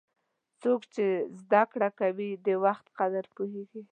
څوک چې زده کړه کوي، د وخت قدر پوهیږي.